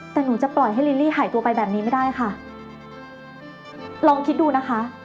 แต่หนูจะปล่อยให้ลิลลี่หายตัวไปแบบนี้ไม่ได้ค่ะลองคิดดูนะคะ